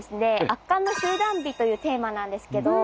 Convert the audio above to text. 「圧巻の集団美」というテーマなんですけど。